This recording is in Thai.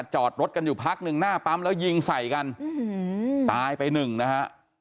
จอดรถกันอยู่พักหนึ่งหน้าปั๊มแล้วยิงใส่กันตายไปหนึ่งนะฮะ